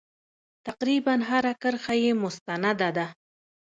تقریبا هره کرښه یې مستنده ده.